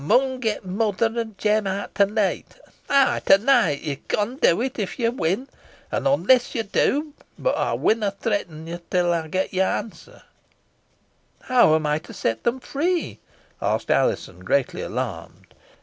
Yo mun get mother an Jem out to neet eigh, to neet. Yo con do it, if yo win. An onless yo do boh ey winna threaten till ey get yer answer." "How am I to set them free?" asked Alizon, greatly alarmed.